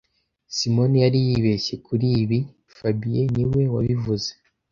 Simoni yari yibeshye kuri ibi fabien niwe wabivuze